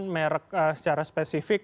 merek secara spesifik